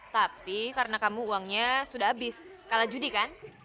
tapi karena kamu uangnya sudah habis kalah judi kan